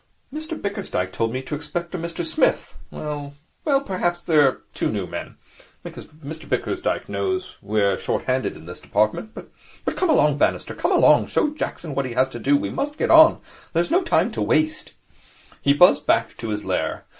'Mr Bickersdyke told me to expect a Mr Smith. Well, well, perhaps there are two new men. Mr Bickersdyke knows we are short handed in this department. But, come along, Bannister, come along. Show Jackson what he has to do. We must get on. There is no time to waste.' He buzzed back to his lair.